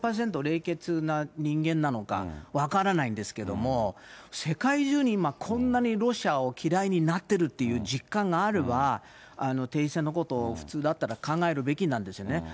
冷血な人間なのか分からないんですけども、世界中に今、こんなにロシアを嫌いになってるという実感があれば、停戦のことを普通だったら考えるべきなんですよね。